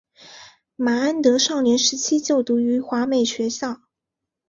麻安德少年时期就读于华美学校。